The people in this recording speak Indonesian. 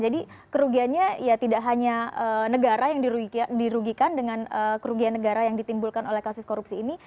jadi kerugiannya ya tidak hanya negara yang dirugikan dengan kerugian negara yang ditimbulkan oleh kasus korupsi ini